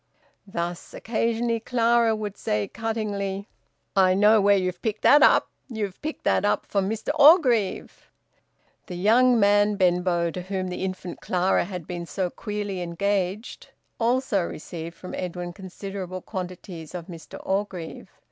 Thus occasionally Clara would say cuttingly, "I know where you've picked that up. You've picked that up from Mr Orgreave." The young man Benbow to whom the infant Clara had been so queerly engaged, also received from Edwin considerable quantities of Mr Orgreave.